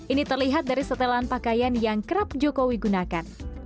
ini terlihat dari setelan pakaian yang kerap jokowi gunakan